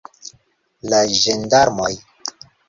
La ĝendarmoj!